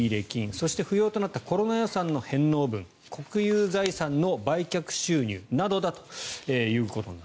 そして不要となったコロナ予算の返納分国有財産の売却収入などだということです。